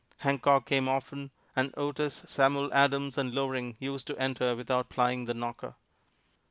Hancock came often, and Otis, Samuel Adams and Loring used to enter without plying the knocker.